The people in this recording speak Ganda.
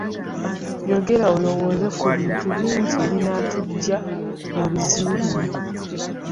Yongera olowooze ku bintu bingi ebinaatuggya mu buzibu buno